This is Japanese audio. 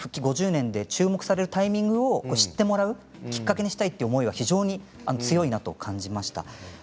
５０年で注目されるタイミングを知ってもらうきっかけにしたいという思いが強いと感じました。